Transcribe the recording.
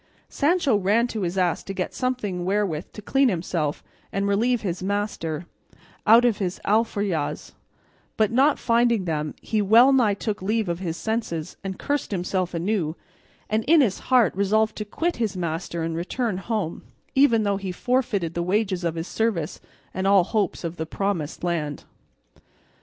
Sancho ran to his ass to get something wherewith to clean himself, and relieve his master, out of his alforjas; but not finding them, he well nigh took leave of his senses, and cursed himself anew, and in his heart resolved to quit his master and return home, even though he forfeited the wages of his service and all hopes of the promised island.